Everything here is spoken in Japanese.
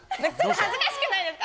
恥ずかしくないですか？